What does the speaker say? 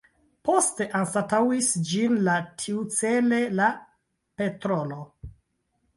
Poste anstataŭis ĝin la tiucele la petrolo.